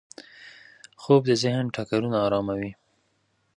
خوب د ذهن ټکرونه اراموي